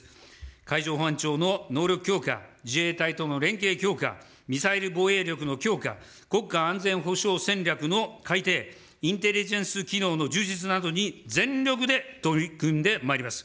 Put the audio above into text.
海上保安庁の能力強化、自衛隊との連携強化、ミサイル防衛力の強化、国家安全保障戦略の改定、インテリジェンス機能の充実などに全力で取り組んでまいります。